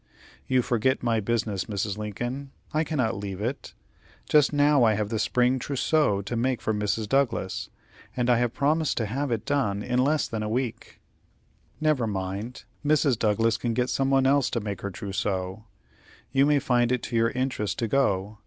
"You forget my business, Mrs. Lincoln. I cannot leave it. Just now I have the spring trousseau to make for Mrs. Douglas, and I have promised to have it done in less than a week." "Never mind. Mrs. Douglas can get some one else to make her trousseau. You may find it to your interest to go.